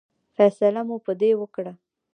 فیصله مو په دې وکړه.